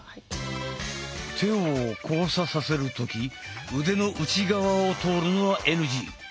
手を交差させる時腕の内側を通るのはＮＧ。